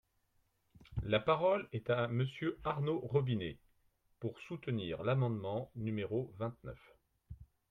La parole est à Monsieur Arnaud Robinet, pour soutenir l’amendement numéro vingt-neuf.